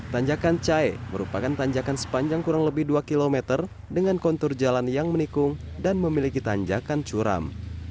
tanjakan cae merupakan tanjakan sepanjang kurang lebih dua km dengan kontur jalan yang menikung dan memiliki tanjakan curam